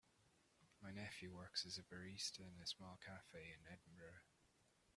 My nephew works as a barista in a small cafe in Edinburgh.